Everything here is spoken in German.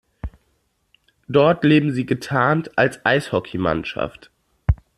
Dort leben sie getarnt als Eishockeymannschaft.